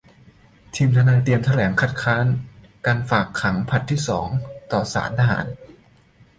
ทีมทนายความเตรียมแถลงคัดค้านการฝากขังผลัดที่สองต่อศาลทหาร